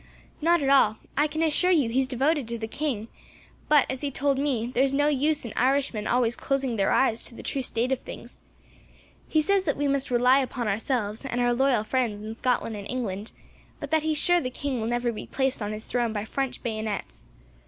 "Not at all. I can assure you, he is devoted to the king; but, as he told me, there is no use in Irishmen always closing their eyes to the true state of things. He says that we must rely upon ourselves, and our loyal friends in Scotland and England, but that he is sure the king will never be placed on his throne by French bayonets.